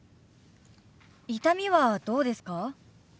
痛みはどうですか？